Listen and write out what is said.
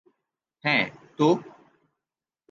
- হ্যা তো?